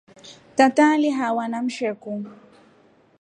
Tata alihauwa na msheku.